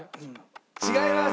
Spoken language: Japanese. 違います！